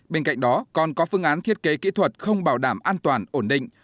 bên cạnh đó còn có phương án thiết kế kỹ thuật không bảo đảm an toàn ổn định